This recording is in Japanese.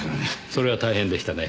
それは大変でしたね。